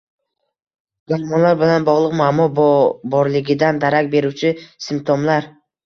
Gormonlar bilan bog‘liq muammo borligidan darak beruvchi simptomlar